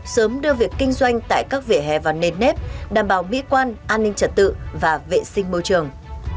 sớm đưa việc kinh doanh tại các vỉa hè vào nền nếp đảm bảo mỹ quan an ninh trật tự và vệ sinh môi trường